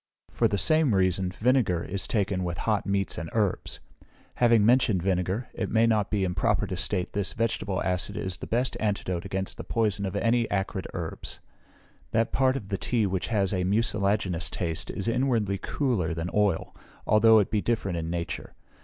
For the same reason vinegar is taken with hot meats and herbs. Having mentioned vinegar, it may not be improper to state this vegetable acid is the best antidote against the poison of any acrid herbs. That part of the tea which has a mucilaginous taste is inwardly cooler than oil, although it be different in nature.